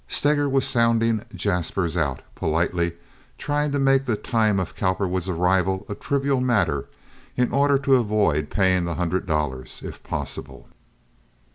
Steger was sounding Jaspers out, politely trying to make the time of Cowperwood's arrival a trivial matter in order to avoid paying the hundred dollars, if possible.